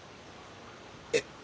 えっ。